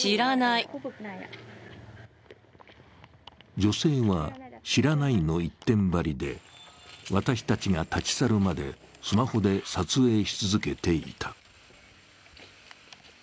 女性は、知らないの一点張りで、私たちが立ち去るまでスマホで撮影し続けていた。